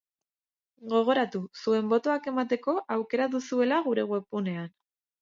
Gogoratu, zuen botoak emateko aukera duzuela gure webgunean.